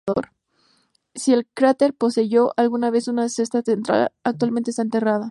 Si el cráter poseyó alguna vez una cresta central, actualmente está enterrada.